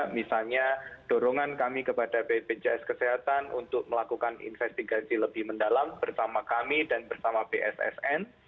misalnya dorongan kami kepada bpjs kesehatan untuk melakukan investigasi lebih mendalam bersama kami dan bersama bssn